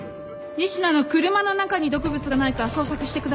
仁科の車の中に毒物がないか捜索してください。